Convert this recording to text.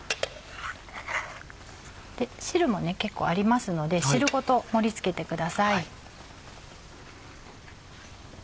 汁も結構ありますので汁ごと盛り付けてください。